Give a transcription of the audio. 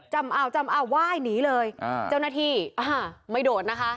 จำเอาจำเอาไหว้หนีเลยอ่าเจ้าหน้าที่อ่าไม่โดดนะคะ